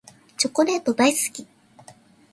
チョコレート大好き。